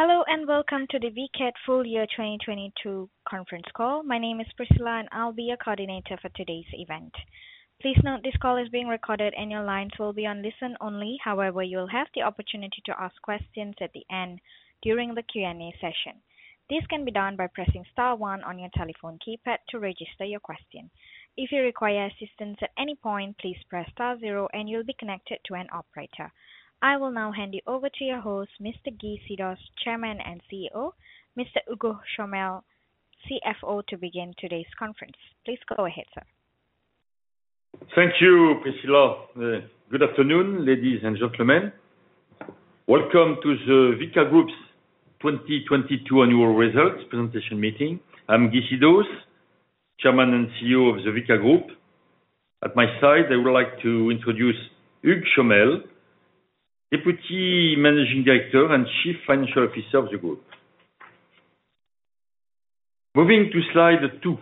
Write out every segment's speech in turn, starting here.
Hello and welcome to the Vicat full year 2022 conference call. My name is Priscilla, and I'll be your coordinator for today's event. Please note this call is being recorded, and your lines will be on listen only. However, you'll have the opportunity to ask questions at the end during the Q&A session. This can be done by pressing star one on your telephone keypad to register your question. If you require assistance at any point, please press star zero and you'll be connected to an operator. I will now hand you over to your host, Mr. Guy Sidos, Chairman and CEO, Mr. Hugues Chomel, CFO, to begin today's conference. Please go ahead, sir. Thank you, Priscilla. Good afternoon, ladies and gentlemen. Welcome to the Vicat Group's 2022 annual results presentation meeting. I'm Guy Sidos, Chairman and CEO of the Vicat Group. At my side, I would like to introduce Hugues Chomel, Deputy Managing Director and Chief Financial Officer of the group. Moving to slide two.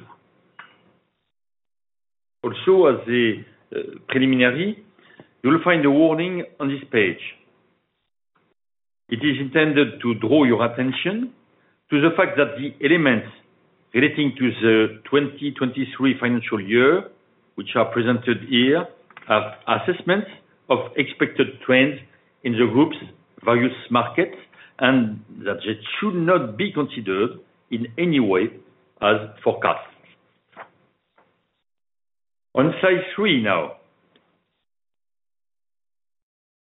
Also, as a preliminary, you'll find a warning on this page. It is intended to draw your attention to the fact that the elements relating to the 2023 financial year, which are presented here, are assessments of expected trends in the group's various markets, and that they should not be considered in any way as forecasts. On slide three now.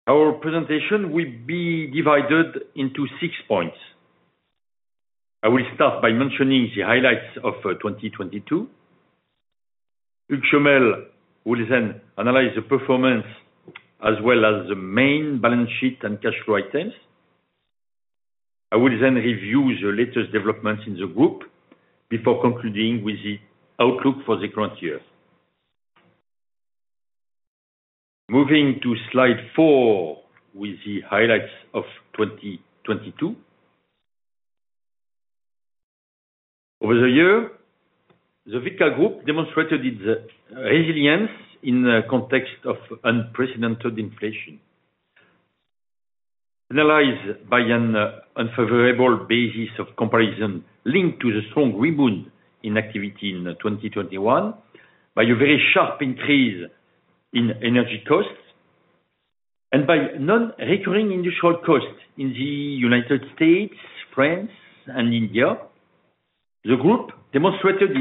Our presentation will be divided into six points. I will start by mentioning the highlights of 2022. Hugues Chomel will then analyze the performance as well as the main balance sheet and cash flow items. I will then review the latest developments in the group before concluding with the outlook for the current year. Moving to slidefour with the highlights of 2022. Over the year, the Vicat Group demonstrated its resilience in the context of unprecedented inflation. Analyzed by an unfavorable basis of comparison linked to the strong rebound in activity in 2021, by a very sharp increase in energy costs, and by non-recurring industrial costs in the United States, France, and India. The group demonstrated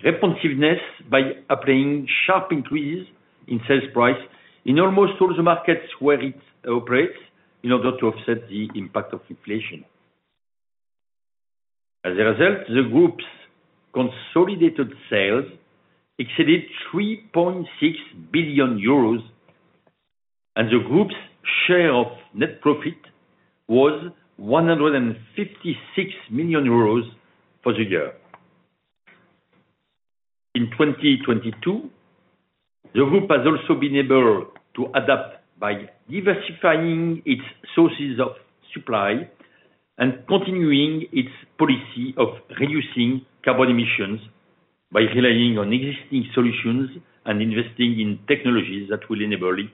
its responsiveness by applying sharp increases in sales price in almost all the markets where it operates in order to offset the impact of inflation. As a result, the group's consolidated sales exceeded 3.6 billion euros, and the group's share of net profit was 156 million euros for the year. In 2022, the group has also been able to adapt by diversifying its sources of supply and continuing its policy of reducing carbon emissions by relying on existing solutions and investing in technologies that will enable it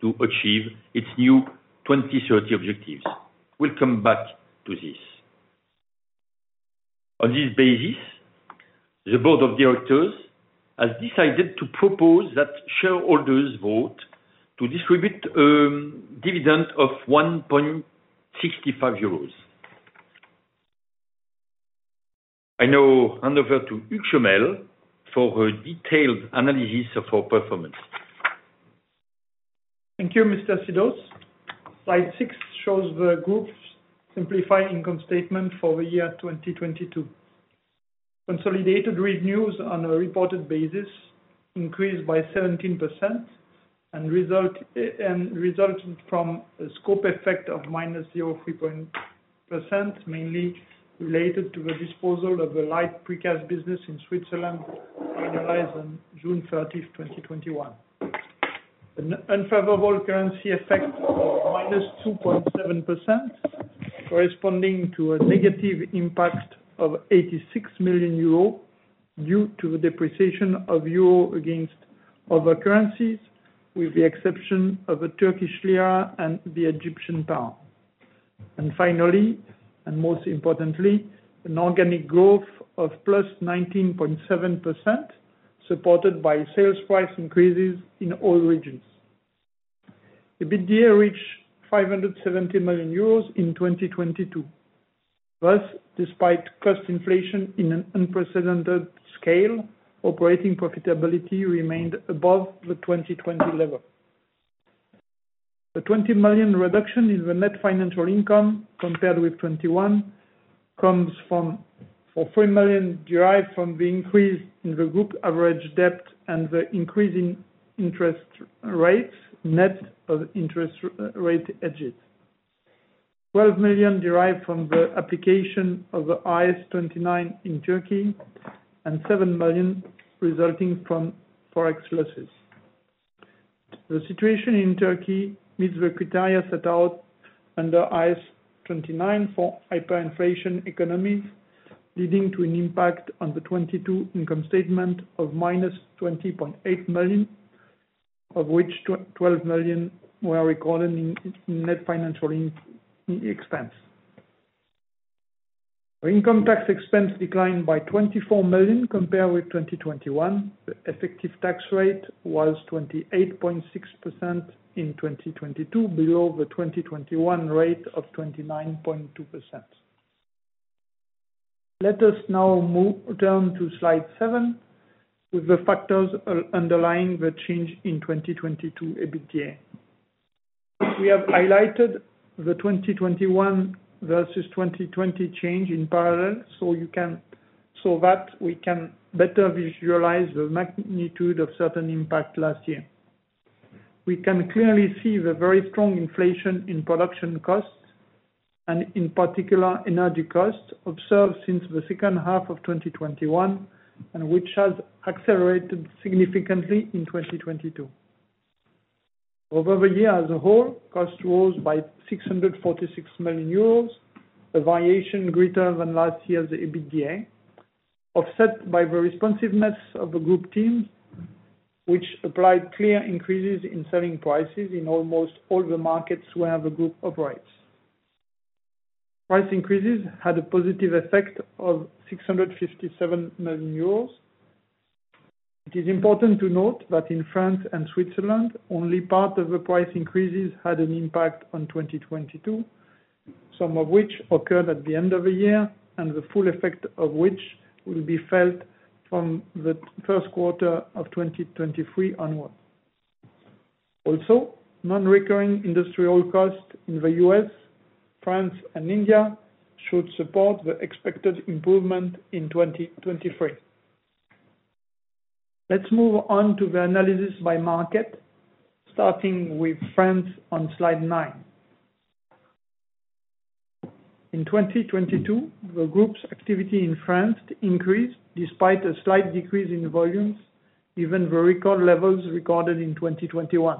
to achieve its new 2030 objectives. We'll come back to this. On this basis, the board of directors has decided to propose that shareholders vote to distribute a dividend of 1.65 euros. I now hand over to Hugues Chomel for a detailed analysis of our performance. Thank you, Mr. Sidos. Slide six shows the group's simplified income statement for the year 2022. Consolidated revenues on a reported basis increased by 17% and resulted from a scope effect of -0.3%, mainly related to the disposal of the light precast business in Switzerland finalized on June thirtieth, 2021. An unfavorable currency effect of -2.7%, corresponding to a negative impact of 86 million euro due to the depreciation of euro against other currencies, with the exception of the Turkish lira and the Egyptian pound. Finally, and most importantly, an organic growth of +19.7%, supported by sales price increases in all regions. EBITDA reached EUR 570 million in 2022. Despite cost inflation in an unprecedented scale, operating profitability remained above the 2020 level. The 20 million reduction in the net financial income compared with 2021 comes for 3 million derived from the increase in the group average debt and the increasing interest rates, net of interest rate hedges. 12 million derived from the application of the IAS 29 in Turkey, and 7 million resulting from Forex losses. The situation in Turkey meets the criteria set out under IAS 29 for hyperinflation economies, leading to an impact on the 2022 income statement of -20.8 million. Of which 12 million were recorded in net financial expense. Our income tax expense declined by 24 million compared with 2021. The effective tax rate was 28.6% in 2022, below the 2021 rate of 29.2%. Let us now move down to slide 7 with the factors underlying the change in 2022 EBITDA. We have highlighted the 2021 versus 2020 change in parallel, so that we can better visualize the magnitude of certain impact last year. We can clearly see the very strong inflation in production costs, and in particular, energy costs observed since the second half of 2021, and which has accelerated significantly in 2022. Over the year as a whole, costs rose by 646 million euros, a variation greater than last year's EBITDA, offset by the responsiveness of the group team, which applied clear increases in selling prices in almost all the markets where the group operates. Price increases had a positive effect of 657 million euros. It is important to note that in France and Switzerland, only part of the price increases had an impact on 2022, some of which occurred at the end of the year, and the full effect of which will be felt from the first quarter of 2023 onwards. Non-recurring industrial costs in the U.S., France, and India should support the expected improvement in 2023. Let's move on to the analysis by market, starting with France on slide nine. In 2022, the group's activity in France increased despite a slight decrease in volumes, given the record levels recorded in 2021.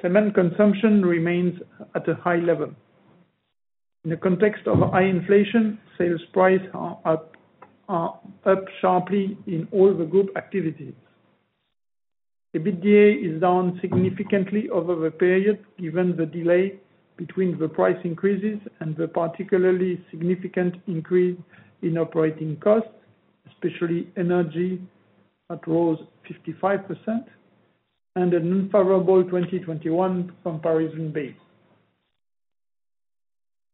Cement consumption remains at a high level. In the context of high inflation, sales price are up sharply in all the group activities. EBITDA is down significantly over the period, given the delay between the price increases and the particularly significant increase in operating costs, especially energy, that rose 55%, and an unfavorable 2021 comparison base.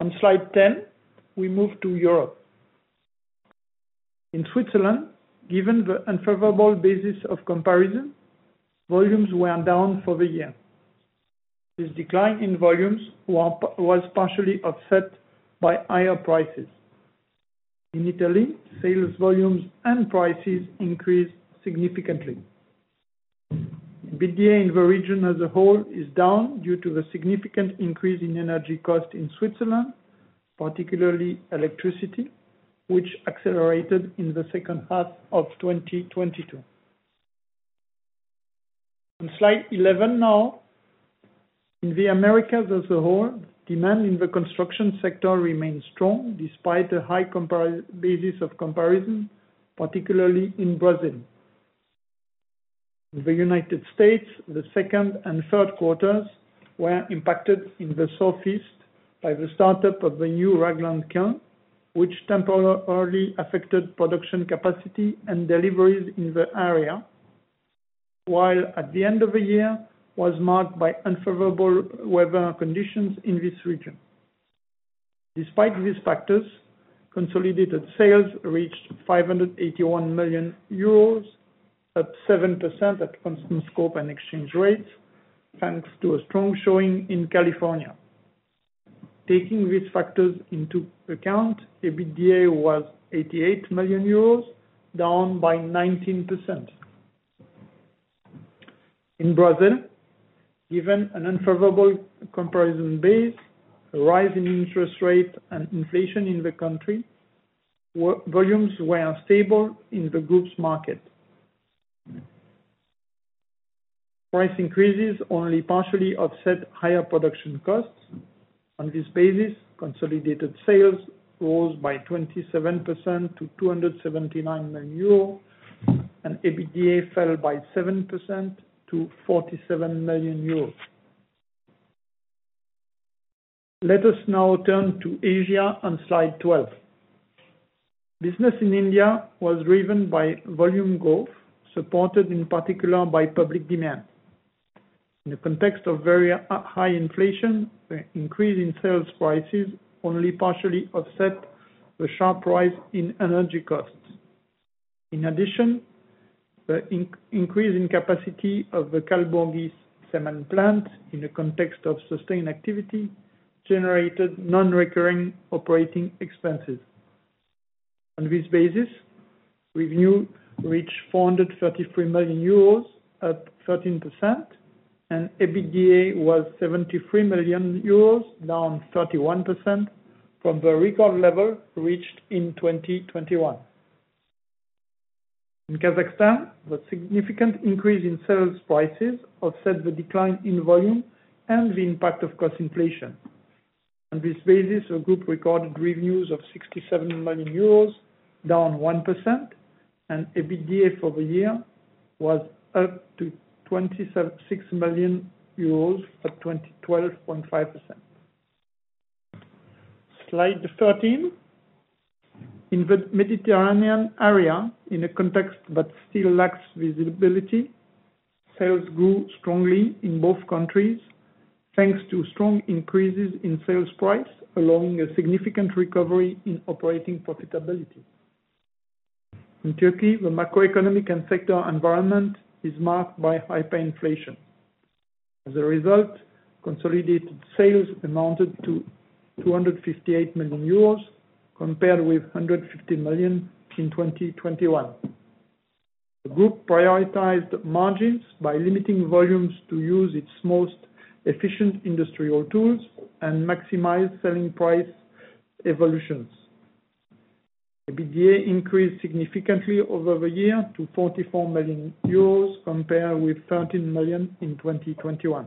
On slide 10, we move to Europe. In Switzerland, given the unfavorable basis of comparison, volumes were down for the year. This decline in volumes was partially offset by higher prices. In Italy, sales volumes and prices increased significantly. EBITDA in the region as a whole is down due to the significant increase in energy costs in Switzerland, particularly electricity, which accelerated in the second half of 2022. On slide 11 now, in the Americas as a whole, demand in the construction sector remains strong despite a high basis of comparison, particularly in Brazil. In the United States, the second and third quarters were impacted in the Southeast by the startup of the new Ragland kiln, which temporarily affected production capacity and deliveries in the area. At the end of the year was marked by unfavorable weather conditions in this region. Despite these factors, consolidated sales reached 581 million euros, up 7% at constant scope and exchange rates, thanks to a strong showing in California. Taking these factors into account, EBITDA was 88 million euros, down by 19%. In Brazil, given an unfavorable comparison base, a rise in interest rate and inflation in the country, volumes were stable in the group's market. Price increases only partially offset higher production costs. On this basis, consolidated sales rose by 27% to 279 million euros, and EBITDA fell by 7% to 47 million euros. Let us now turn to Asia on slide 12. Business in India was driven by volume growth, supported in particular by public demand. In the context of very high inflation, the increase in sales prices only partially offset the sharp rise in energy costs. In addition, the increase in capacity of the Kalaburagi Cement plant in the context of sustained activity generated non-recurring operating expenses. On this basis, revenue reached 433 million euros at 13%, and EBITDA was 73 million euros, down 31% from the record level reached in 2021. In Kazakhstan, the significant increase in sales prices offset the decline in volume and the impact of cost inflation. On this basis, our group recorded revenues of 67 million euros, down 1%, and EBITDA for the year was up to 26 million euros at 2012.5%. Slide 13. In the Mediterranean area, in a context that still lacks visibility, sales grew strongly in both countries, thanks to strong increases in sales price, allowing a significant recovery in operating profitability. In Turkey, the macroeconomic and sector environment is marked by hyperinflation. consolidated sales amounted to 258 million euros, compared with 150 million in 2021. The group prioritized margins by limiting volumes to use its most efficient industrial tools and maximize selling price evolutions. EBITDA increased significantly over the year to 44 million euros, compared with 13 million in 2021.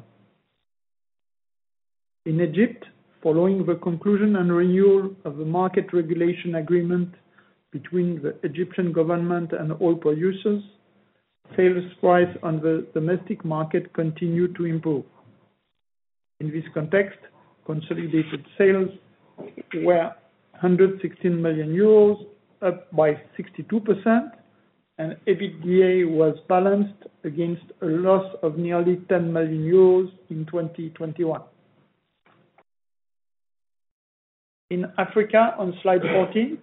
In Egypt, following the conclusion and renewal of the market regulation agreement between the Egyptian government and oil producers, sales price on the domestic market continued to improve. In this context, consolidated sales were 116 million euros, up by 62%, and EBITDA was balanced against a loss of nearly 10 million euros in 2021. In Africa, on slide 14.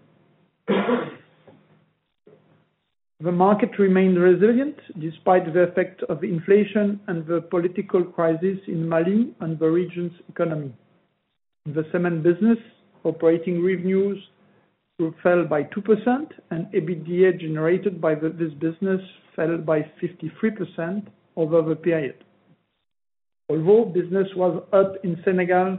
The market remained resilient despite the effect of inflation and the political crisis in Mali and the region's economy. In the cement business, operating revenues fell by 2%, and EBITDA generated by this business fell by 53% over the period. Although business was up in Senegal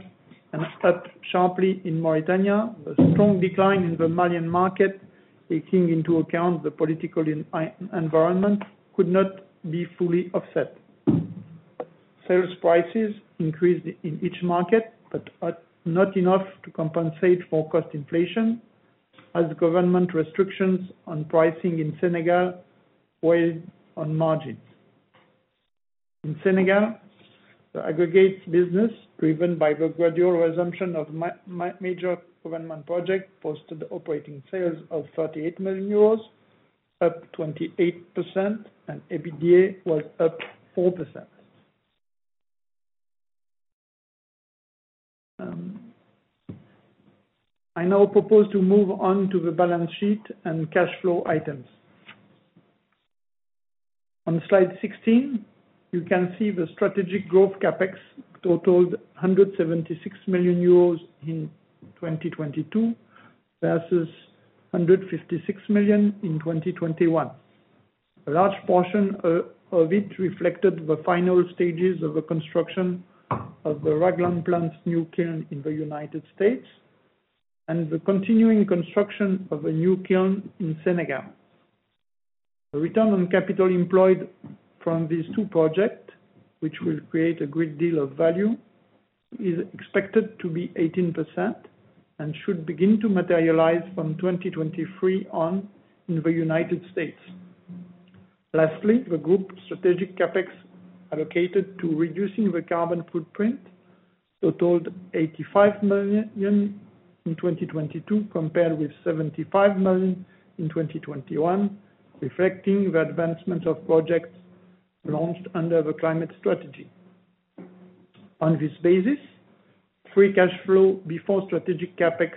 and stepped sharply in Mauritania, the strong decline in the Malian market, taking into account the political environment, could not be fully offset. Sales prices increased in each market, but are not enough to compensate for cost inflation, as government restrictions on pricing in Senegal weighed on margins. In Senegal, the aggregates business, driven by the gradual resumption of major government project, posted operating sales of 38 million euros, up 28%, and EBITDA was up 4%. I now propose to move on to the balance sheet and cash flow items. On slide 16, you can see the strategic growth CapEx totaled 176 million euros in 2022 versus 156 million in 2021. A large portion of it reflected the final stages of the construction of the Ragland plant's new kiln in the United States and the continuing construction of a new kiln in Senegal. The return on capital employed from these two projects, which will create a great deal of value, is expected to be 18% and should begin to materialize from 2023 on in the United States. Lastly, the group strategic CapEx allocated to reducing the carbon footprint totaled 85 million in 2022 compared with 75 million in 2021, reflecting the advancement of projects launched under the climate strategy. On this basis, free cash flow before strategic CapEx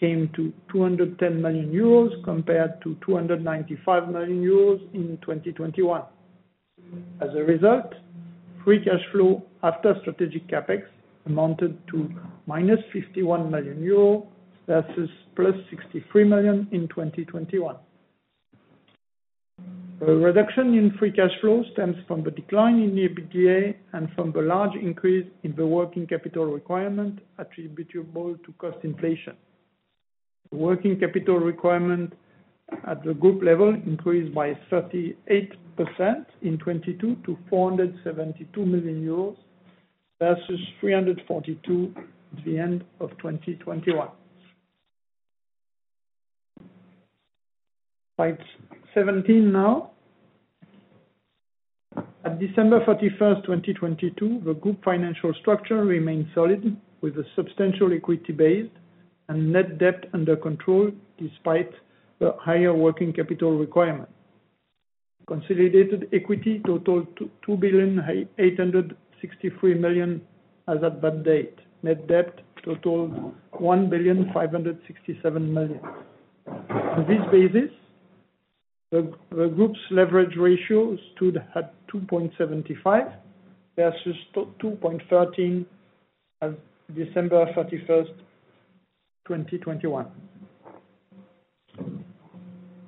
came to 210 million euros compared to 295 million euros in 2021. Free cash flow after strategic CapEx amounted to minus 51 million euro versus plus 63 million in 2021. The reduction in free cash flow stems from the decline in the EBITDA and from the large increase in the working capital requirement attributable to cost inflation. The working capital requirement at the group level increased by 38% in 2022 to 472 million euros versus 342 million at the end of 2021. Slide 17 now. At December 31st, 2022, the group financial structure remained solid with a substantial equity base and net debt under control despite the higher working capital requirement. Consolidated equity totaled 2.863 billion as at that date. Net debt totaled 1.567 billion. On this basis, the group's leverage ratio stood at 2.75 versus 2.13 as December 31st, 2021.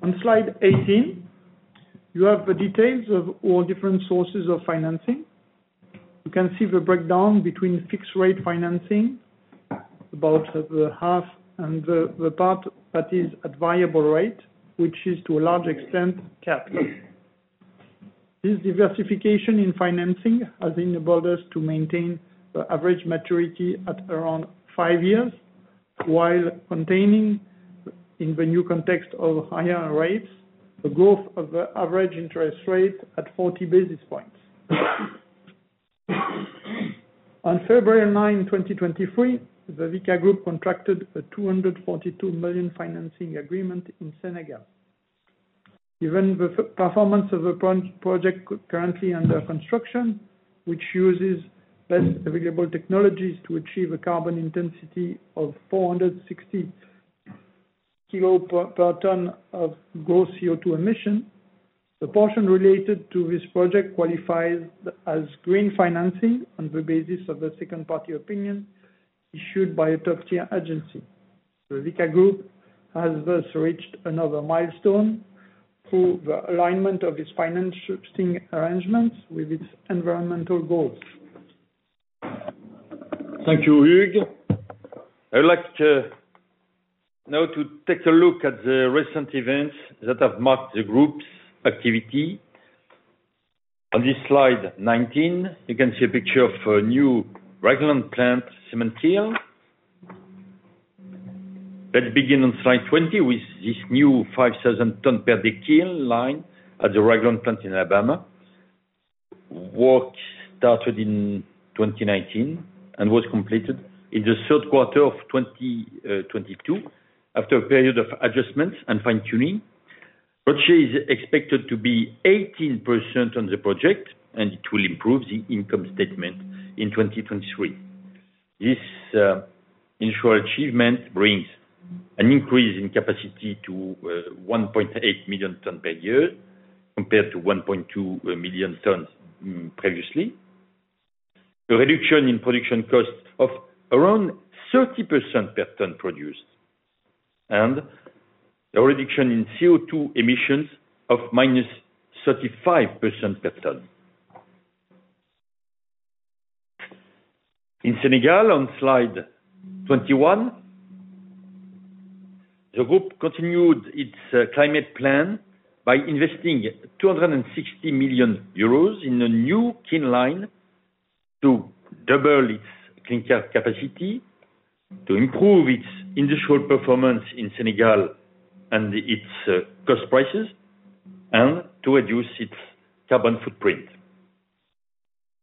On slide 18, you have the details of all different sources of financing. You can see the breakdown between fixed rate financing, about the half and the part that is at variable rate, which is to a large extent capital. This diversification in financing has enabled us to maintain the average maturity at around five years, while containing in the new context of higher rates, the growth of the average interest rate at 40 basis points. On February ninth, 2023, the Vicat Group contracted a 242 million financing agreement in Senegal. Given the performance of the pro-project currently under construction, which uses best available technologies to achieve a carbon intensity of 460 kilo per ton of gross CO2 emission. The portion related to this project qualifies as green financing on the basis of the Second Party Opinion issued by a top-tier agency. The Vicat Group has thus reached another milestone through the alignment of its financing arrangements with its environmental goals. Thank you, Hugues. I would like to now to take a look at the recent events that have marked the group's activity. On this slide 19, you can see a picture of a new Ragland plant cement kiln. Let's begin on slide 20 with this new 5,000 ton per day kiln line at the Ragland plant in Alabama. Work started in 2019 and was completed in the third quarter of 2022. After a period of adjustments and fine-tuning, ROACE is expected to be 18% on the project, and it will improve the income statement in 2023. This initial achievement brings an increase in capacity to 1.8 million ton per year compared to 1.2 million tons previously. The reduction in production costs of around 30% per ton produced, the reduction in CO2 emissions of -35% per ton. In Senegal on slide 21, the group continued its climate plan by investing 260 million euros in a new kiln line to double its clinker capacity, to improve its industrial performance in Senegal and its cost prices, and to reduce its carbon footprint.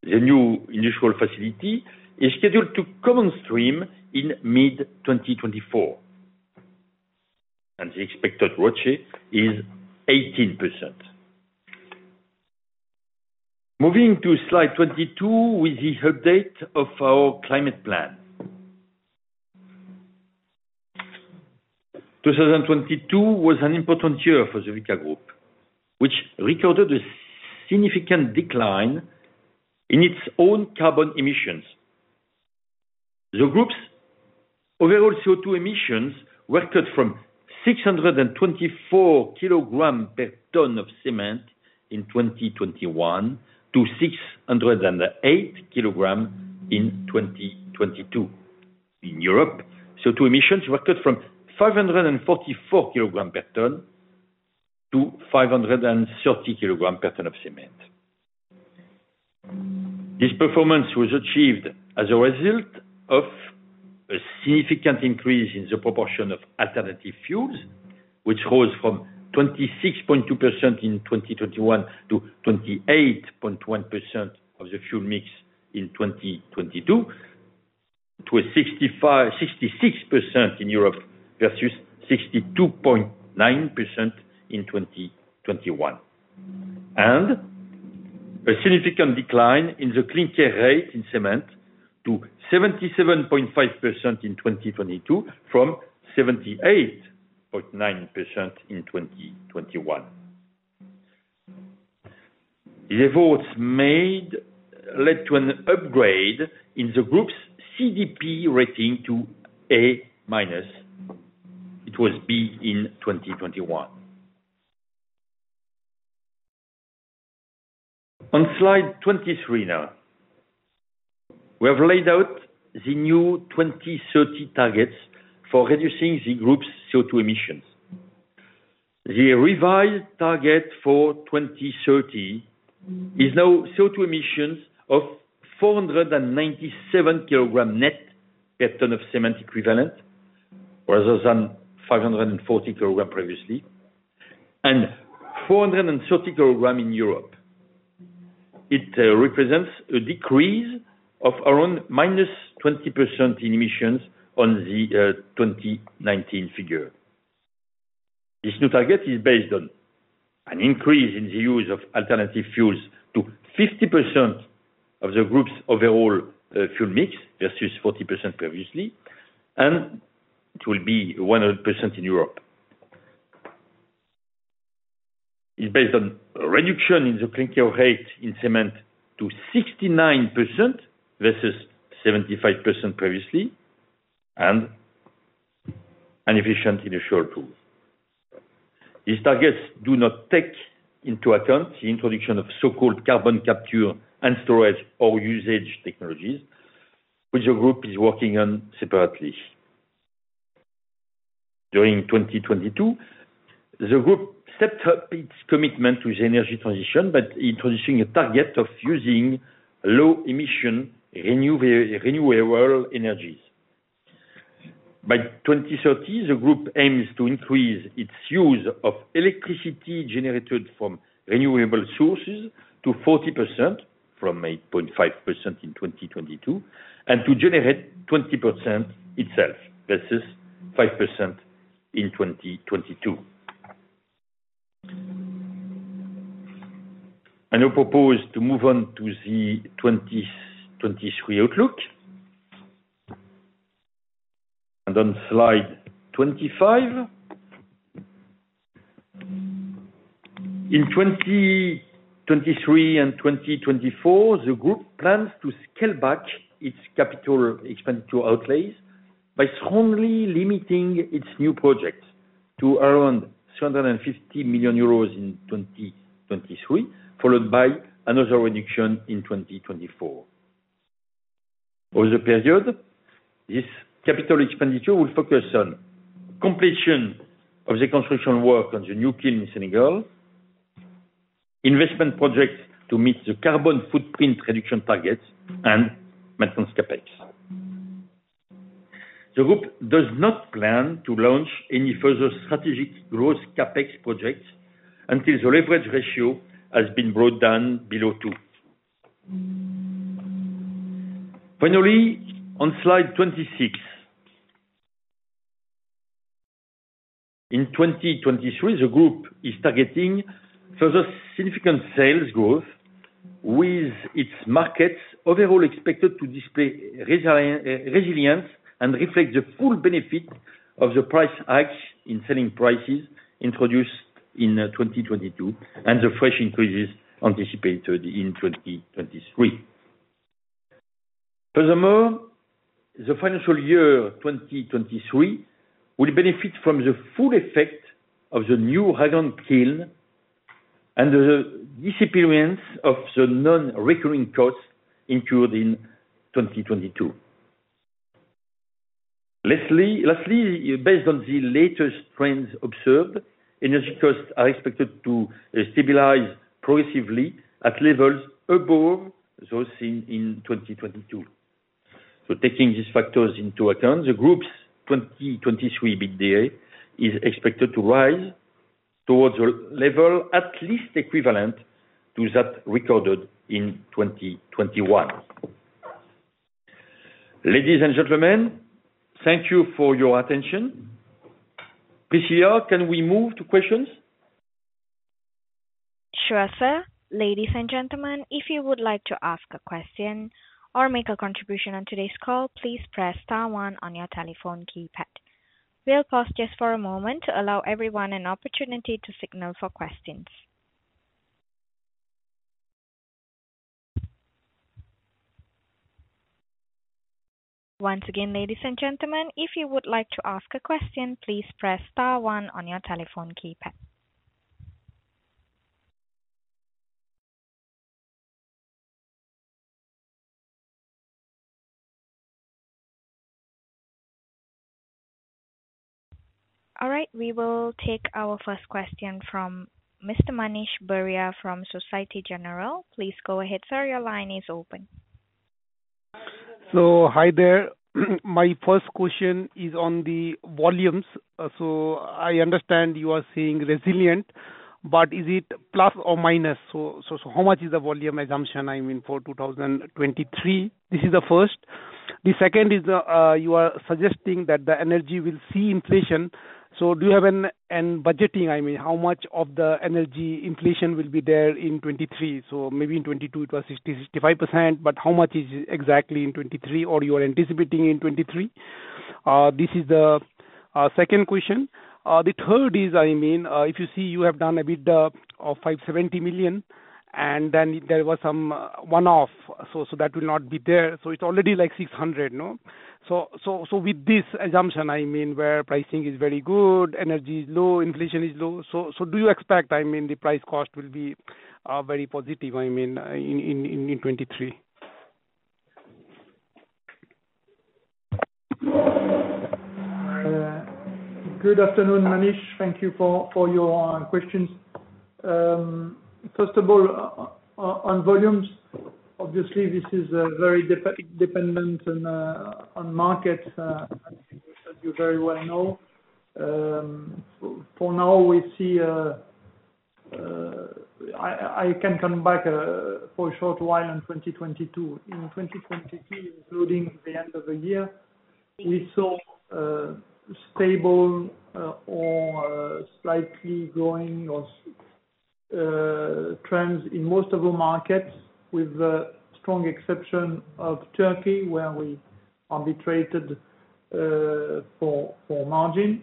The new initial facility is scheduled to come on stream in mid-2024, and the expected ROACE is 18%. Moving to slide 22 with the update of our climate plan. 2022 was an important year for the Vicat Group, which recorded a significant decline in its own carbon emissions. The group's overall CO2 emissions were cut from 624 kg per ton of cement in 2021 to 608 kg in 2022. In Europe, CO2 emissions were cut from 544 kg per ton to 530 kg per ton of cement. This performance was achieved as a result of a significant increase in the proportion of alternative fuels, which rose from 26.2% in 2021 to 28.1% of the fuel mix in 2022, to a 66% in Europe versus 62.9% in 2021. A significant decline in the clinker rate in cement to 77.5% in 2022 from 78.9% in 2021. The efforts made led to an upgrade in the group's CDP rating to A minus. It was B in 2021. On slide 23 now. We have laid out the new 2030 targets for reducing the group's CO2 emissions. The revised target for 2030 is now CO2 emissions of 497 kilogram net per ton of cement equivalent, rather than 540 kilogram previously, and 430 kilogram in Europe. It represents a decrease of around -20% in emissions on the 2019 figure. This new target is based on an increase in the use of alternative fuels to 50% of the group's overall fuel mix versus 40% previously, and it will be 100% in Europe. It's based on a reduction in the clinker rate in cement to 69% versus 75% previously, and an efficient initial tool. These targets do not take into account the introduction of so-called carbon capture and storage or usage technologies which the group is working on separately. During 2022, the group stepped up its commitment to the energy transition by introducing a target of using low emission renewable energies. By 2030, the group aims to increase its use of electricity generated from renewable sources to 40% from 8.5% in 2022 and to generate 20% itself versus 5% in 2022. I propose to move on to the 2023 outlook. On slide 25. In 2023 and 2024, the group plans to scale back its capital expenditure outlays by strongly limiting its new projects to around 250 million euros in 2023, followed by another reduction in 2024. Over the period, this capital expenditure will focus on completion of the construction work on the new kiln in Senegal, investment projects to meet the carbon footprint reduction targets and maintenance CapEx. The group does not plan to launch any further strategic growth CapEx projects until the leverage ratio has been brought down below two. On slide 26. In 2023, the group is targeting further significant sales growth with its markets overall expected to display resilience and reflect the full benefit of the price hikes in selling prices introduced in 2022 and the fresh increases anticipated in 2023. The financial year 2023 will benefit from the full effect of the new Ragland kiln and the disappearance of the non-recurring costs incurred in 2022. Lastly, based on the latest trends observed, energy costs are expected to stabilize progressively at levels above those seen in 2022. Taking these factors into account, the group's 2023 EBITDA is expected to rise towards a level at least equivalent to that recorded in 2021. Ladies and gentlemen, thank you for your attention. Priscilla, can we move to questions? Sure, sir. Ladies and gentlemen, if you would like to ask a question or make a contribution on today's call, please press star one on your telephone keypad. We'll pause just for a moment to allow everyone an opportunity to signal for questions. Once again, ladies and gentlemen, if you would like to ask a question, please press star one on your telephone keypad. All right. We will take our first question from Mr. Manish Beria from Societe Generale. Please go ahead, sir. Your line is open. Hi there. My first question is on the volumes. I understand you are saying resilient, but is it plus or minus? How much is the volume assumption, I mean, for 2023? This is the first. The second is, you are suggesting that the energy will see inflation. Do you have a budgeting, I mean, how much of the energy inflation will be there in 2023? Maybe in 2022 it was 60%-65%, but how much is exactly in 2023 or you are anticipating in 2023? This is the second question. The third is, I mean, if you see you have done a bid of 570 million, and then there was some one-off, so that will not be there. It's already like 600, no? With this assumption, I mean, where pricing is very good, energy is low, inflation is low. Do you expect, I mean, the price cost will be very positive, I mean, in 2023? Good afternoon, Manish. Thank you for your questions. First of all, on volumes, obviously this is very dependent on markets, as you very well know. For now we see, I can come back for a short while on 2022. In 2022, including the end of the year, we saw stable or slightly growing or trends in most of the markets with the strong exception of Turkey, where we arbitrated for margin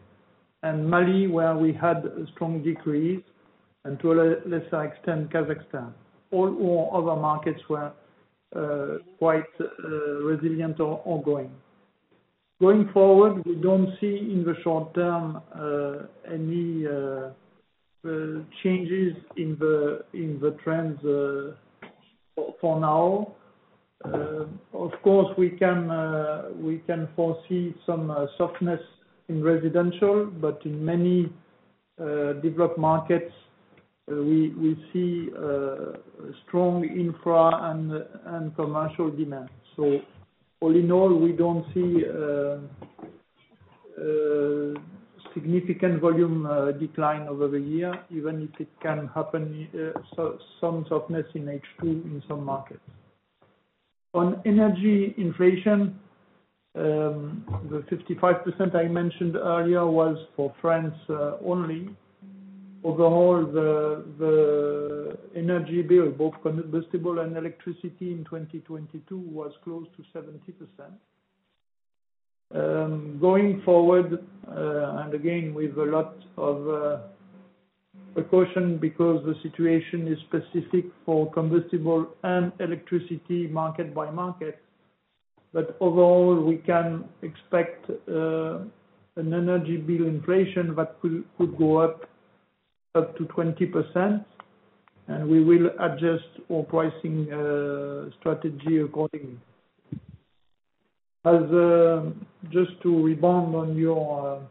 and Mali, where we had a strong decrease and to a lesser extent, Kazakhstan. All our other markets were quite resilient or growing. Going forward, we don't see in the short term any changes in the trends. For now. Of course, we can foresee some softness in residential, but in many developed markets, we see strong infra and commercial demand. All in all, we don't see significant volume decline over the year, even if it can happen some softness in H2 in some markets. On energy inflation, the 55% I mentioned earlier was for France only. Overall, the energy bill, both combustible and electricity in 2022 was close to 70%. Going forward, again, with a lot of precaution because the situation is specific for combustible and electricity market by market. Overall, we can expect an energy bill inflation that could go up to 20%, and we will adjust our pricing strategy accordingly. Just to rebound on your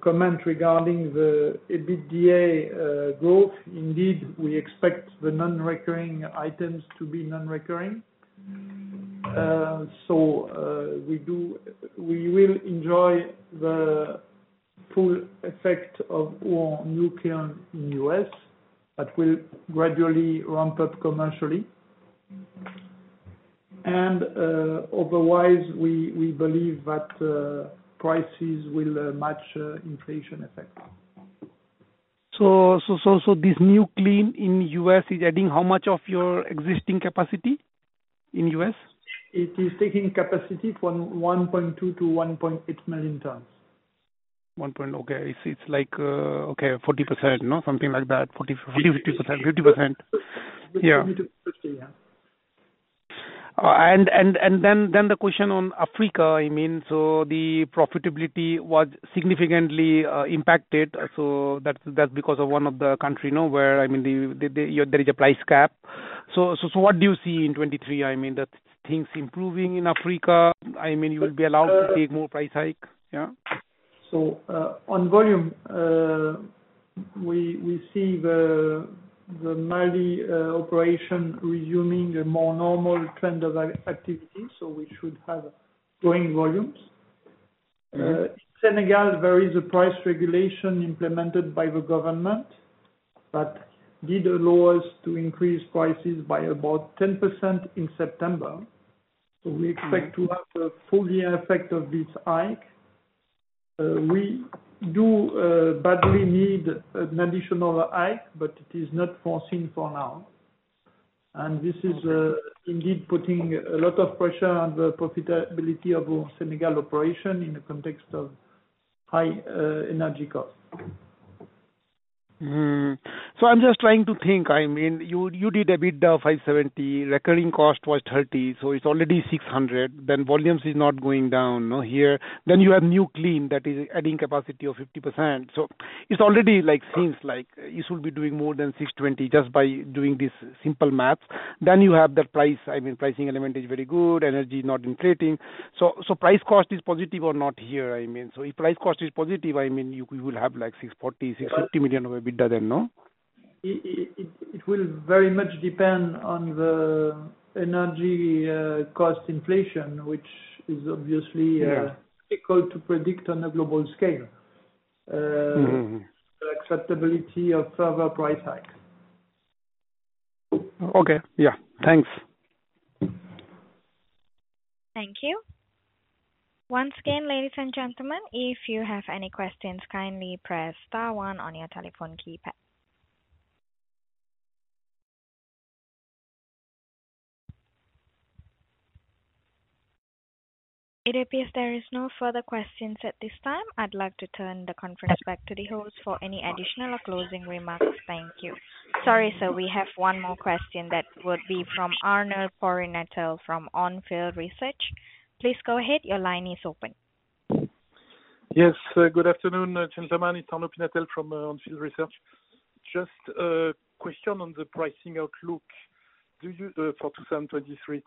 comment regarding the EBITDA growth. Indeed, we expect the non-recurring items to be non-recurring. We will enjoy the full effect of our new kiln in U.S. that will gradually ramp up commercially. Otherwise, we believe that prices will match inflation effect. This New Kiln in U.S. is adding how much of your existing capacity in U.S.? It is taking capacity from 1.2 million-1.8 million tons. One point. Okay. It's like, okay, 40%, no something like that. 40, 50%. 50%. Yeah. 40%-50%, yeah. The question on Africa, I mean, the profitability was significantly impacted. That's because of one of the country, you know, where, I mean, the there is a price cap. What do you see in 23? I mean, that things improving in Africa. I mean, you will be allowed to take more price hike. Yeah. On volume, we see the Mali operation resuming a more normal trend of activity, so we should have growing volumes. Senegal, there is a price regulation implemented by the government, but did allow us to increase prices by about 10% in September. We expect to have a full year effect of this hike. We do badly need an additional hike, but it is not foreseen for now. This is indeed putting a lot of pressure on the profitability of our Senegal operation in the context of high energy costs. I'm just trying to think. I mean, you did EBITDA 570, recurring cost was 30, so it's already 600. Volumes is not going down, no, here. You have new kiln that is adding capacity of 50%. It's already like things you should be doing more than 620 just by doing this simple math. You have the price. I mean, pricing element is very good. Energy is not inflating. Price cost is positive or not here, I mean. If price cost is positive, I mean, you will have like 640 million, 650 million of EBITDA, then, no? It will very much depend on the energy, cost inflation. Yeah. difficult to predict on a global scale. Mm-hmm. The acceptability of further price hike. Okay. Yeah. Thanks. Thank you. Once again, ladies and gentlemen, if you have any questions, kindly press star one on your telephone keypad. It appears there is no further questions at this time. I'd like to turn the conference back to the host for any additional or closing remarks. Thank you. Sorry, sir. We have one more question that would be from Arnaud Pinatel from On Field Investment Research. Please go ahead. Your line is open. Yes. Good afternoon, gentlemen. It's Arnaud Pinatel from On Field Investment Research. Just a question on the pricing outlook. Do you for 2023,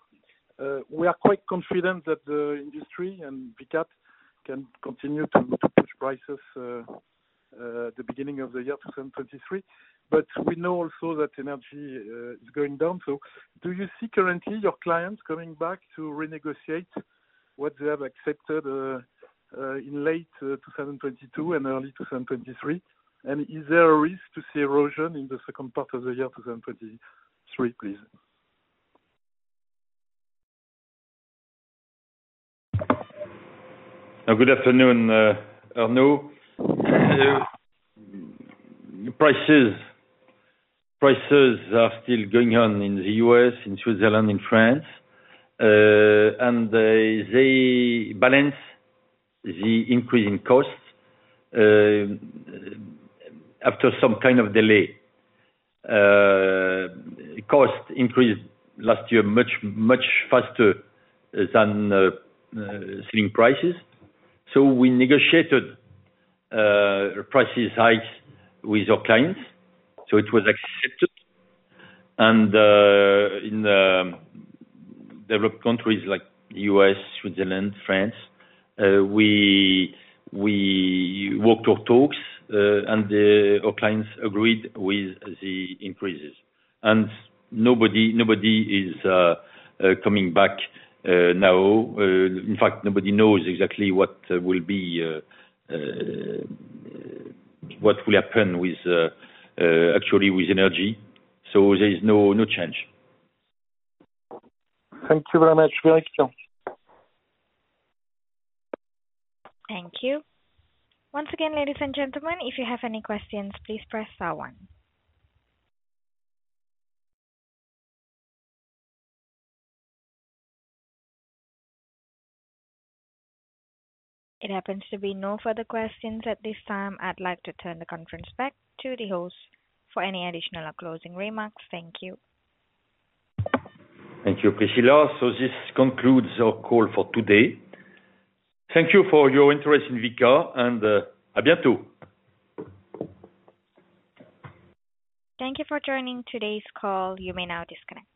we are quite confident that the industry and Vicat can continue to push prices the beginning of the year 2023. We know also that energy is going down. Do you see currently your clients coming back to renegotiate what they have accepted in late 2022 and early 2023? Is there a risk to see erosion in the second part of the year 2023, please? Good afternoon, Arnaud. Prices are still going on in the U.S., in Switzerland, in France, and they balance the increase in costs after some kind of delay. Cost increased last year much faster than selling prices. We negotiated prices hikes with our clients, so it was accepted. In developed countries like U.S., Switzerland, France, we walked our talks, and our clients agreed with the increases. Nobody is coming back now. In fact, nobody knows exactly what will be what will happen with actually with energy. There is no change. Thank you very much. Thank you. Thank you. Once again, ladies and gentlemen, if you have any questions, please press star one. It happens to be no further questions at this time. I'd like to turn the conference back to the host for any additional or closing remarks. Thank you. Thank you, Priscilla. This concludes our call for today. Thank you for your interest in Vicat, and à bientôt. Thank you for joining today's call. You may now disconnect.